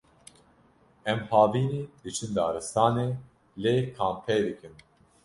em havînî diçin daristanê lê kampê dikin